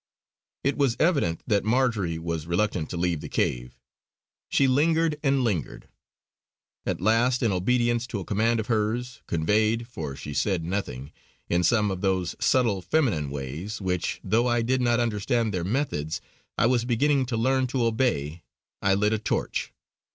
It was evident that Marjory was reluctant to leave the cave. She lingered and lingered; at last in obedience to a command of hers, conveyed for she said nothing in some of those subtle feminine ways, which, though I did not understand their methods, I was beginning to learn to obey, I lit a torch.